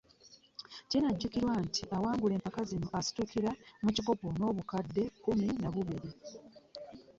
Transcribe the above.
Kinajjukirwa nti awangula empaka zino asitukira mu kikopo n'obukadde kkumi na bubiri